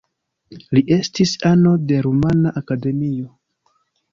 Li estis ano de Rumana Akademio.